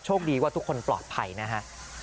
ดีว่าทุกคนปลอดภัยนะฮะ